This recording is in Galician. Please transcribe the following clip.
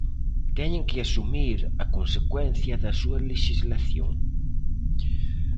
Teñen que asumir a consecuencia da súa lexislación.